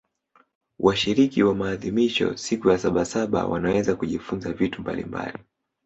washiriki wa maadhimisho ya sabasaba wanaweza kujifunza vitu mbalimbali